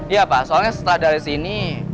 iya pak soalnya setelah dari sini